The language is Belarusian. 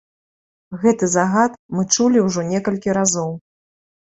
Гэты загад мы чулі ўжо некалькі разоў.